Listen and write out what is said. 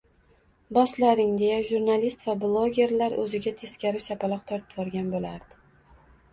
boslaring» deya jurnalist va blogerlar og‘ziga teskari shapaloq tortvorgan bo‘lardi.